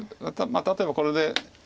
例えばこれで。